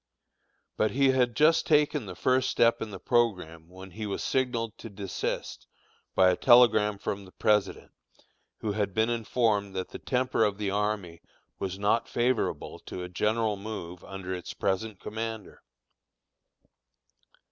But he had just taken the first step in the programme when he was signaled to desist by a telegram from the President, who had been informed that the temper of the army was not favorable to a general move under its present commander.